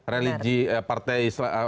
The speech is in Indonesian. religi partai islam